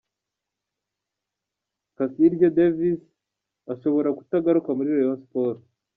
Kasirye Davis ashobora kutagaruka muri Rayon Sports.